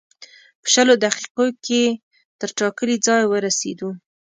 په شلو دقیقو کې تر ټاکلي ځایه ورسېدو.